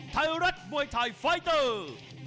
ไทยรัฐมวยไทยไฟเตอร์